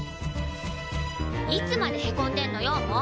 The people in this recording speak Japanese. いつまでへこんでんのよもう！